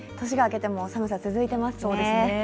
年が明けても寒さが続いていますね。